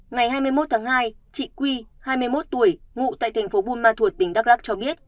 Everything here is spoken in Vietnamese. ngày hai mươi một tháng hai chị quy hai mươi một tuổi ngụ tại thành phố buôn ma thuột tỉnh đắk lắc cho biết